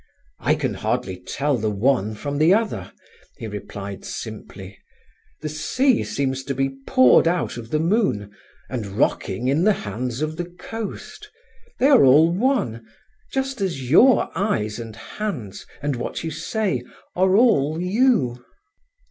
"I can hardly tell the one from the other," he replied simply. "The sea seems to be poured out of the moon, and rocking in the hands of the coast. They are all one, just as your eyes and hands and what you say, are all you."